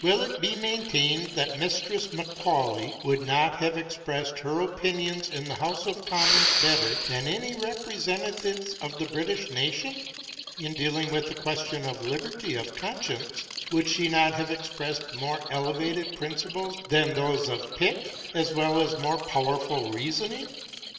Will it be maintained that Mistress Macaulay would not have expressed her opinions in the House of Commons better than many representatives of the British nation? In dealing with the question of liberty of conscience, would she not have expressed more elevated principles than those of Pitt, as well as more powerful reasoning?